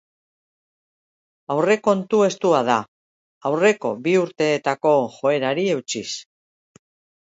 Aurrekontu estua da, aurreko bi urteetako joerari eutsiz.